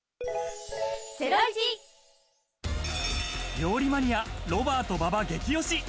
料理マニュア、ロバート・馬場げきおし！